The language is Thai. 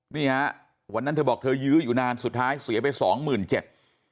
นี่ครับวันนั้นเธอบอกเธอยื้ออยู่นานสุดท้ายเสียไป๒๗๐๐๐บาท